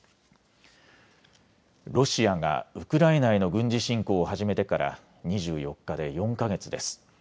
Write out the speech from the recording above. ロシアがウクライナへの軍事侵攻を始めてから２４日で４か月です。